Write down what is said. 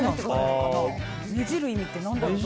ねじる意味って何だろう。